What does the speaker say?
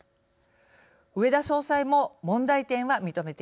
植田総裁も問題点は認めています。